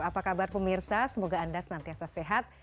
apa kabar pemirsa semoga anda senantiasa sehat